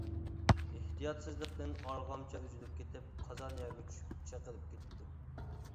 ئېھتىياتسىزلىقتىن ئارغامچا ئۈزۈلۈپ كېتىپ قازان يەرگە چۈشۈپ چېقىلىپ كېتىپتۇ.